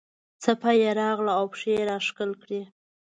څپه یې راغله او پښې یې راښکل کړې.